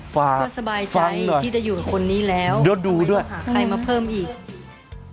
ก็สบายใจนะที่จะอยู่เงียบคนนี้แล้ว